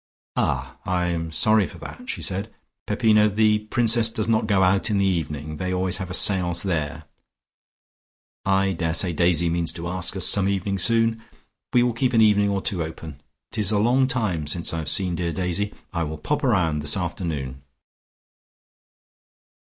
"Ah! I am sorry for that," she said. "Peppino, the Princess does not go out in the evening; they always have a seance there. I daresay Daisy means to ask us some evening soon. We will keep an evening or two open. It is a long time since I have seen dear Daisy; I will pop round this afternoon."